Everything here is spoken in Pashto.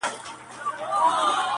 o چي مشر ئې ساوڼ وي لښکر ئې گوزاوڼ وي٫